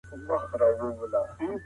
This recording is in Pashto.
فزیکي تمرین تمرکز ښه کوي.